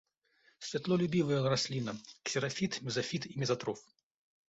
Святлолюбівая расліна, ксерафіт, мезафіт і мезатроф.